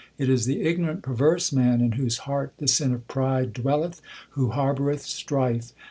It is the ignorant perverse man, in whose heart The sin of pride dwelleth, who harboureth strife.